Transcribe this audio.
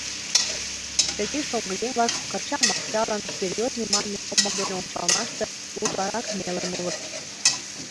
Тыге шоҥгыеҥ-влак кырча-марчалан, серьёзный манме сомыл дене ончалмаште, утларак мелын улыт.